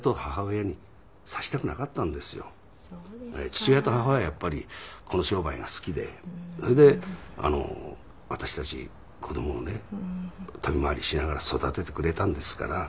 父親と母親はやっぱりこの商売が好きでそれで私たち子供をね旅回りしながら育ててくれたんですから。